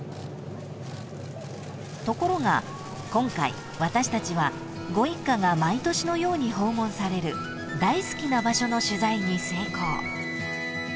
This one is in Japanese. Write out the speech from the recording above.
［ところが今回私たちはご一家が毎年のように訪問される大好きな場所の取材に成功］